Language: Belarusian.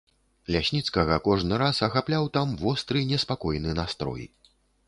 Лясніцкага кожны раз ахапляў там востры неспакойны настрой.